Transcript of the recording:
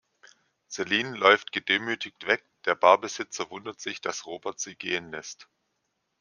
Celine läuft gedemütigt weg, der Barbesitzer wundert sich, dass Robert sie gehen lässt.